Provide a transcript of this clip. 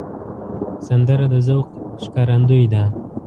سندره د ذوق ښکارندوی ده